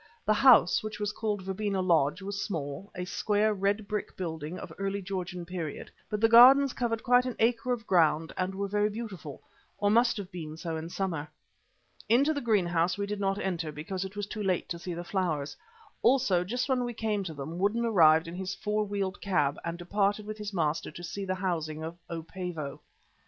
The house, which was called Verbena Lodge, was small, a square, red brick building of the early Georgian period, but the gardens covered quite an acre of ground and were very beautiful, or must have been so in summer. Into the greenhouse we did not enter, because it was too late to see the flowers. Also, just when we came to them, Woodden arrived in his four wheeled cab and departed with his master to see to the housing of "O. Pavo."